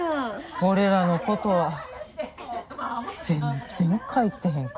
俺らのことは全然書いてへんかった。